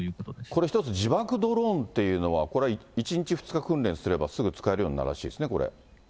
これ、一つ、自爆ドローンっていうのは、これは１日、２日訓練すれば、すぐ使えるようになるらしいですね、これ。